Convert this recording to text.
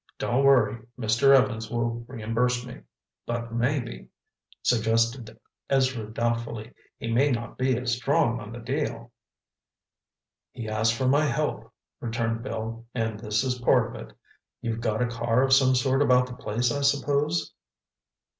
Don't worry, Mr. Evans will reimburse me." "But maybe," suggested Ezra doubtfully, "he may not be strong on the deal." "He asked for my help," returned Bill, "and this is part of it. You've got a car of some sort about the place, I suppose?"